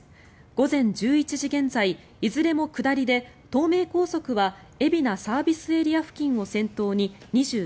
午前１１時現在いずれも下りで東名高速は海老名ＳＡ付近を先頭に